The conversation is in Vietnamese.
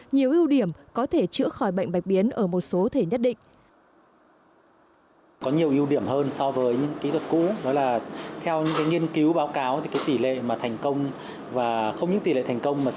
nhiều ưu điểm có thể chữa khỏi bệnh bạch biến ở một số thể nhất định